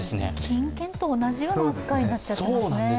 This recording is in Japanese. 金券と同じような扱いになっちゃってるんですね。